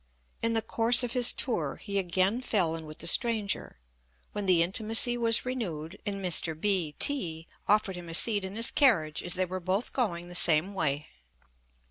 In the course of his tour he again fell in with the stranger, when the intimacy was renewed, and Mr. B t offered him a seat in his carriage as they were both going the same way.